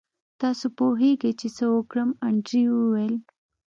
تاسو پوهیږئ چې څه وکړم انډریو وویل